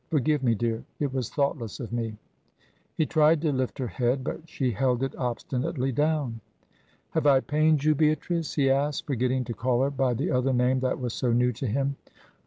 Forgive me, dear, it was thoughtless of me." He tried to lift her head, but she held it obstinately down. "Have I pained you, Beatrice?" he asked, forgetting to call her by the other name that was so new to him.